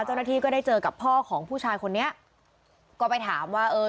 เจ้าหน้าที่ก็ได้เจอกับพ่อของผู้ชายคนนี้ก็ไปถามว่าเออ